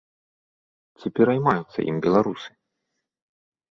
Ці пераймаюцца ім беларусы?